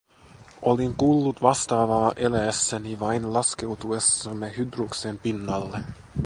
Olin kuullut vastaavaa eläessäni vain laskeutuessamme Hydruksen pinnalle.